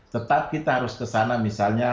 tetap kita harus kesana misalnya